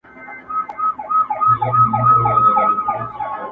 اشنا مي کوچ وکړ کوچي سو.!